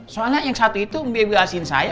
soalnya yang satu itu membebasin saya